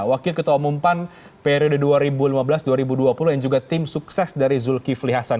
wakil ketua umum pan periode dua ribu lima belas dua ribu dua puluh yang juga tim sukses dari zulkifli hasan